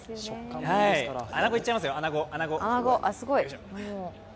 アナゴいっちゃいますよ。